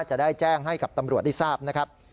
จะได้แจ้งให้กับตำรวจได้ทราบนะครับ